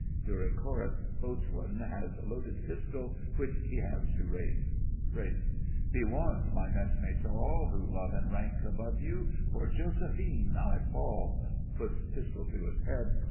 [During Chorus BOATSWAIN has loaded pistol, which he hands to RALPH. RALPH. Be warned, my messmates all Who love in rank above you— For Josephine I fall! [Puts pistol to his head.